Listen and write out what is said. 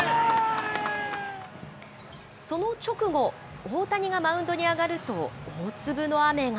その直後、大谷がマウンドに上がると、大粒の雨が。